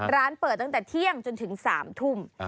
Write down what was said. ร้านเปิดตั้งแต่เที่ยงจนถึง๓ทุ่ม